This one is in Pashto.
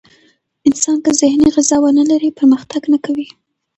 انسان که ذهني غذا ونه لري، پرمختګ نه کوي.